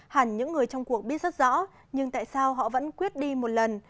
hẳn những người trong cuộc biết rất rõ nhưng tại sao họ vẫn quyết đi một lần